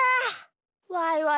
ワイワイ！